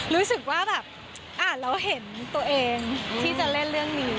รู้สึกว่าแบบอ่านเราเห็นตัวเองที่จะเล่นเรื่องนี้